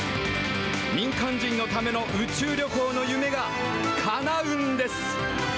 民間人のための宇宙旅行の夢がかなうんです。